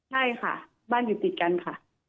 ใช่ค่ะบ้านอยู่ติดกันค่ะ